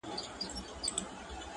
ما په قرآن کي د چا ولوستی صفت شېرينې~